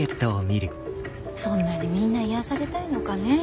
そんなにみんな癒やされたいのかねえ。